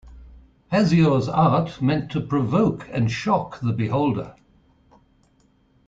Hasior's art meant to provoke and shock the beholder.